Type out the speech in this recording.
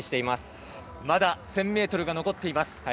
まだ１０００ｍが残っています。